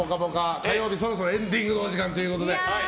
火曜日そろそろエンディングのお時間で。